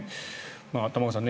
玉川さん